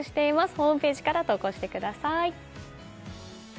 ホームページから投稿してください。